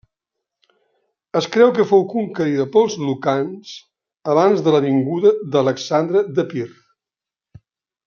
Es creu que fou conquerida pels lucans abans de la vinguda d'Alexandre d'Epir.